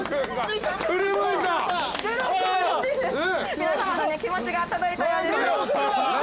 皆さまのね気持ちが届いたようです。